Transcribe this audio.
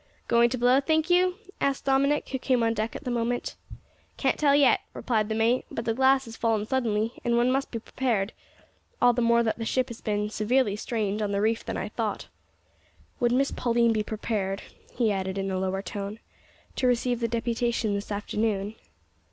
"Going to blow, think you?" asked Dominick, who came on deck at the moment. "Can't tell yet," replied the mate, "but the glass has fallen suddenly, and one must be prepared, all the more that the ship has been more severely strained on the reef than I had thought. Would Miss Pauline be prepared," he added in a lower tone, "to receive the deputation this afternoon?"